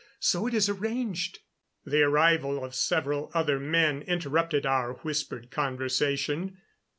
So it is arranged." The arrival of several other men interrupted our whispered conversation.